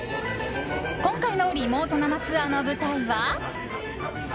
今回のリモート生ツアーの舞台は。